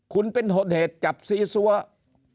คุณเป็นต้นเหตุจับซีซัวร์